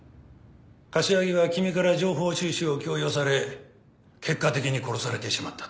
柏木は君から情報収集を強要され結果的に殺されてしまったと。